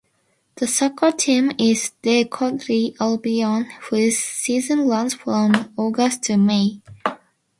The soccer team is De Courcey Albion whose season runs from August to May.